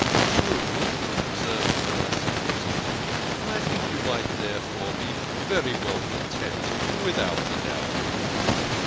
" True," observed Manasseh musingly, " and I think you might therefore be very well content without the dowry."